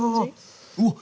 うわっ